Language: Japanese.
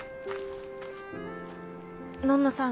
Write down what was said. のんのさん